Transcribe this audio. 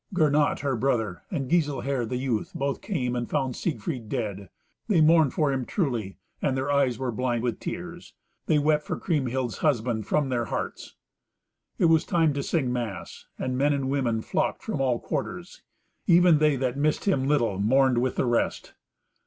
Gernot her brother, and Giselher the youth, both came and found Siegfried dead; they mourned for him truly, and their eyes were blind with tears. They wept for Kriemhild's husband from their hearts. It was time to sing mass, and men and women flocked from all quarters. Even they that missed him little mourned with the rest.